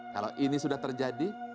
kalau ini sudah terjadi